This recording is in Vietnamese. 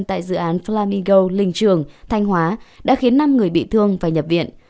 tại dự án flamingo linh trường thanh hóa đã khiến năm người bị thương và nhập viện